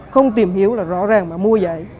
không tìm hiểu là rõ ràng mà mua vậy